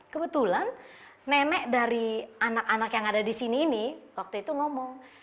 kebetulan nenek dari anak anak yang ada di sini ini waktu itu ngomong